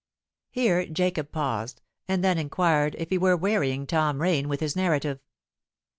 Here Jacob paused, and then inquired if he were wearying Tom Rain with his narrative.